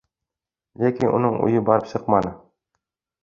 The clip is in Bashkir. Ләкин уның уйы барып сыҡманы.